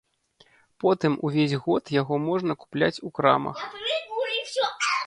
Потым увесь год яго можна купляць у крамах.